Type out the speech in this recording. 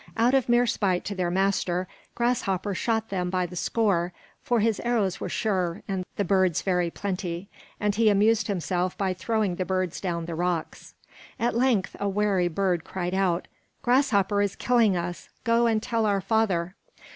Out of mere spite to their master, Grasshopper shot them by the score, for his arrows were sure and the birds very plenty, and he amused himself by throwing the birds down the rocks. At length a wary bird cried out: "Grasshopper is killing us; go and tell our father."